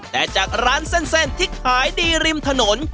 แต่จากร้านเส้นที่ขายดีริมถนน